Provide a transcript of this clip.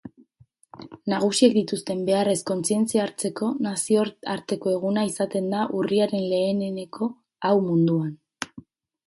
Nagusiek dituzten beharrez kontzientzia hartzeko nazioarteko eguna izaten da urriaren leheneneko hau munduan.